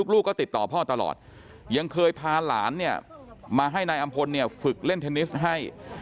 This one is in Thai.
ลูกก็ติดต่อพ่อตลอดยังเคยพาหลานเนี่ยมาให้นายอำพลเนี่ยฝึกเล่นเทนนิสให้